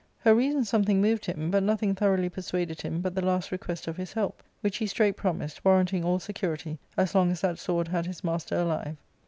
Her reasons something moved him, but nothing thoroughly persuaded him but Uie last request of his help, which he straight promised, warranting all security as long as that sword had his master alive.